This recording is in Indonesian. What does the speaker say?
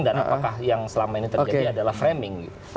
dan apakah yang selama ini terjadi adalah framing